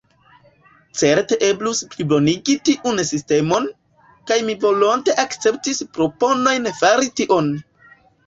Certe eblus plibonigi tiun sistemon, kaj mi volonte akceptus proponojn fari tion.